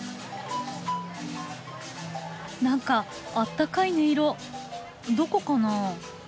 何かあったかい音色どこかな？